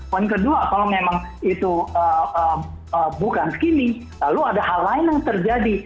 poin kedua kalau memang itu bukan skimming lalu ada hal lain yang terjadi